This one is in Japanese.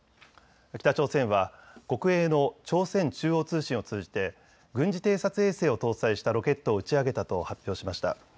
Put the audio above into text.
北朝鮮は国営の朝鮮中央通信を通じて軍事偵察衛星を搭載したロケットを打ち上げたと発表しました。